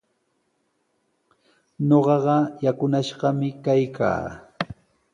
Ñuqaqa yakunashqami kaykaa.